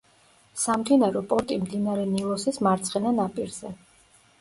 სამდინარო პორტი მდინარე ნილოსის მარცხენა ნაპირზე.